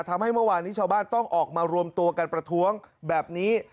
เมื่อวานนี้ชาวบ้านต้องออกมารวมตัวกันประท้วงแบบนี้